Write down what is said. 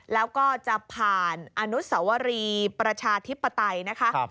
แล้วก็จะผ่านอนุสวรีประชาธิปไตยนะคะ